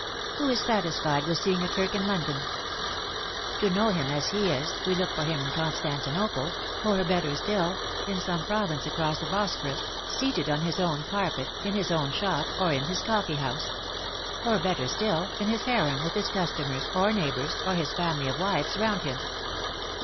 Who is satisfied with seeing a Turk in London ? To know him as he is, we look for him in Constantinople, or, better still, in some province across the Bosphorus, seated on his own carpet, in his THE ACTRESS IN HIGH IJFE. 99 own shop, or in his coffee house; or, better still, in his harem, with his customers, or neighbors, or his family of wives around him.